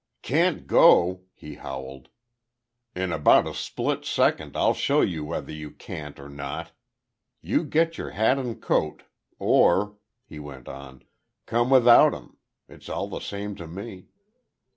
"Can't go!" he howled. "In about a split second I'll show you whether you can't or not. You get your hat and coat! Or," he went on, "come without 'em. It's all the same to me.